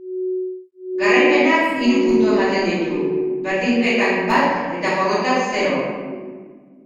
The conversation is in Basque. Garaipenak hiru puntu ematen ditu; berdinketak, bat; eta porrotak, zero.